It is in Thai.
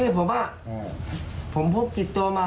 รู้จักชื่ออะไร